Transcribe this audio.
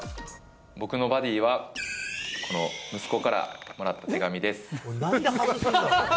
僕のバディは、この息子からもらった手紙です。